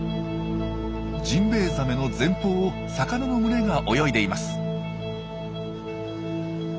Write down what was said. ジンベエザメの前方を魚の群れが泳いでいます。